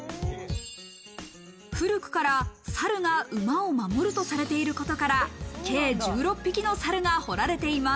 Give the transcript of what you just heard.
古くから猿が馬を守るとされていることから、計１６匹の猿が彫られています。